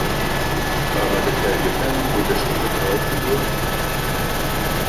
ئامادەکارییەکانت بۆ گەشتەکە تەواو کردووە؟